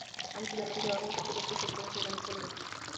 আমৃত্যু জান্নাতীদের আমল করতে করতেই শেষ পর্যন্ত সে জান্নাতে চলে যাবে।